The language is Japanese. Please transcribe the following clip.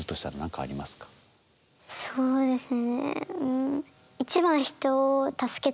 ああそうですね。